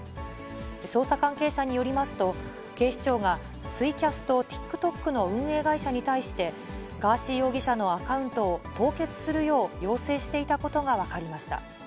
捜査関係者によりますと、警視庁がツイキャスとＴｉｋＴｏｋの運営会社に対して、ガーシー容疑者のアカウントを凍結するよう要請していたことが分かりました。